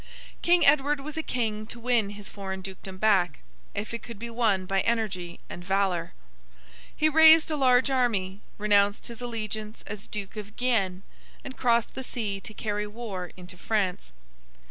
King Edward was a King to win his foreign dukedom back again, if it could be won by energy and valour. He raised a large army, renounced his allegiance as Duke of Guienne, and crossed the sea to carry war into France.